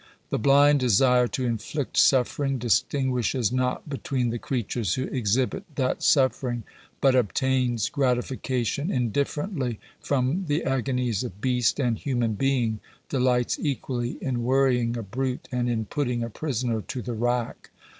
The blind desire to inflict suffering, distinguishes not between the creatures who exhibit that suffering, but obtains gratification indifferently from the agonies of beast and human being — delights equally in worry ing a brute, and in putting a prisoner to the rack.